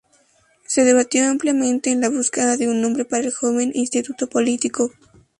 Se debatió ampliamente en la búsqueda de un nombre para el joven instituto político.